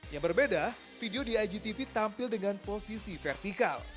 yang berbeda video di igtv tampil dengan posisi vertikal